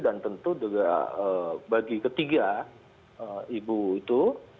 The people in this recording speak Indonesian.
dan tentu bagi ketiga ibu itu